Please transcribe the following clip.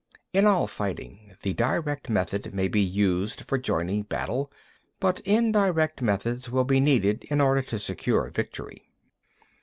5. In all fighting, the direct method may be used for joining battle, but indirect methods will be needed in order to secure victory.